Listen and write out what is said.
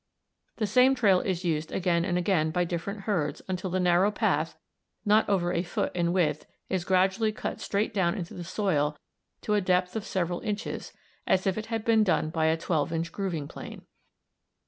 The same trail is used again and again by different herds until the narrow path, not over a foot in width, is gradually cut straight down into the soil to a depth of several inches, as if it had been done by a 12 inch grooving plane.